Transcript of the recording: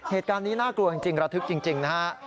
เหตุการณ์นี้น่ากลัวจริงระทึกจริงนะฮะ